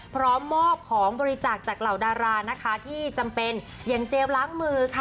พร้อมมอบของบริจาคจากเหล่าดารานะคะที่จำเป็นอย่างเจมส์ล้างมือค่ะ